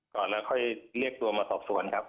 ก่อนแล้วค่อยเรียกตัวมาสอบสวนครับ